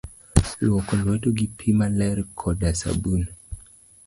Luoko lwedo gi pii maler koda sabun.